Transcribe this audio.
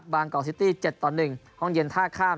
บางกอกซิตี้๗๑ห้องเย็นท่าข้าม